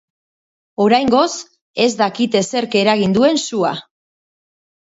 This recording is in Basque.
Oraingoz, ez dakite zerk eragin duen sua.